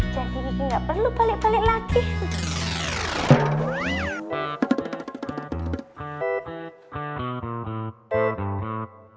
jadi gigi nggak perlu balik balik lagi